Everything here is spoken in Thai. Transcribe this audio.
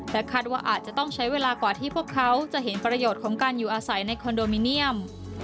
คาดว่าอาจจะต้องใช้เวลากว่าที่พวกเขาจะเห็นประโยชน์ของการอยู่อาศัยในคอนโดมิเนียม